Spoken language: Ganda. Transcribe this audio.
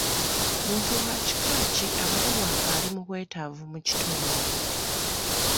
Muntu wa kika ki abalibwa nga ali mu bwetaavu mu kitundu.?